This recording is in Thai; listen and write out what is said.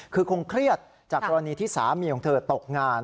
คือคงเครียดจากกรณีที่สามีของเธอตกงาน